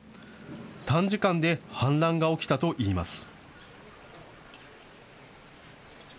短時間で氾濫が起きたといいます。